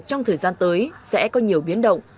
trong thời gian tới sẽ có nhiều biến động